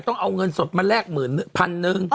ต้องเอาเงินสดมาแลกหมื่นพันหนึ่ง